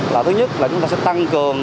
là thứ nhất là chúng ta sẽ tăng cường